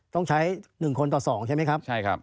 ต้องใช้๑คนต่อ๒ใช่ไหมครับ